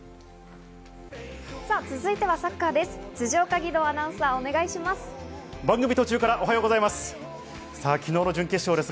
続いてはサッカーです。